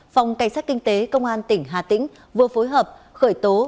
phòng cảnh sát kinh tế công an tỉnh hà tĩnh vừa phối hợp khởi tố